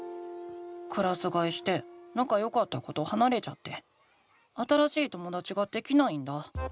クラスがえしてなかよかった子とはなれちゃって新しいともだちができないんだ。